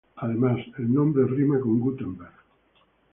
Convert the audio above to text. Además, el nombre rima con "Gutenberg".